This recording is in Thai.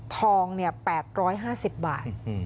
ทอง๘๕๐บาท